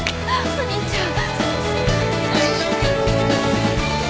お兄ちゃん！